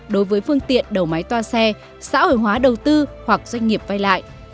đối với phương tiện đầu máy toa xe xã hội hóa đầu tư hoặc doanh nghiệp vay lại